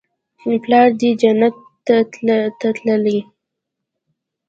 پلار دې جنت ته تللى.